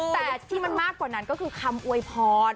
แต่ที่มันมากกว่านั้นก็คือคำอวยพร